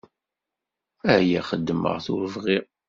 Aya xedmeɣ-t ur bɣiɣ.